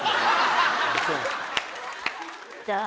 じゃあ。